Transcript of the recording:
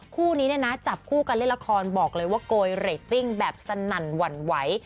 คู่นี้เนี่ยนะจับคู่กันเล่นละครบอกเลยว่าโกยเรตติ้งแบบสนั่นหวั่นไหว